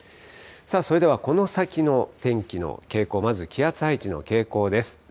それではこの先の天気の傾向、まず気圧配置の傾向です。